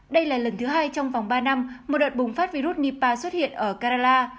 đây là lần thứ hai trong vòng ba năm một đợt bùng phát virus nipah xuất hiện ở kerala